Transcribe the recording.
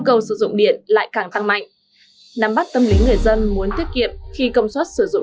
cầu sử dụng điện lại càng tăng mạnh nắm bắt tâm lý người dân muốn tiết kiệm khi công suất sử dụng